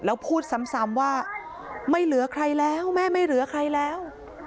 แล้วพูดซ้ำว่าไม่เหลือใครแล้วแม่ไม่เหลือใครแล้ว